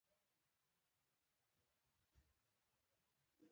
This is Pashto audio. د پکتیکا په زرغون شهر کې د څه شي نښې دي؟